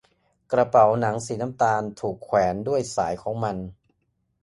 กระเป๋าหนังสีน้ำตาลถูกแขวนด้วยสายของมัน